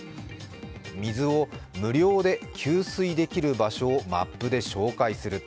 水を無料で給水できる場所をマップで紹介する。